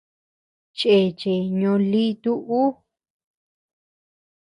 Chéche ñóo lítu ú.